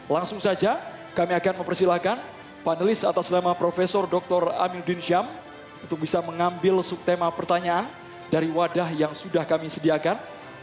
langsung saja kami akan mempersilahkan panelis atas nama profesor dr amiruddin syam untuk bisa mengambil subtema pertanyaan dari wadah yang sudah kami sediakan